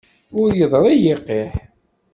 Ur yeḍṛi yiqiḥ.